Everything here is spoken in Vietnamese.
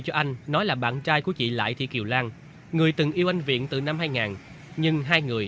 cho anh nói là bạn trai của chị lại thị kiều lan người từng yêu anh viện từ năm hai nghìn nhưng hai người